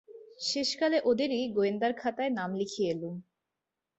শেষকালে ওদেরই গোয়েন্দার খাতায় নাম লিখিয়ে এলুম।